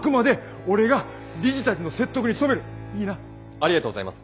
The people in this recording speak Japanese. ありがとうございます！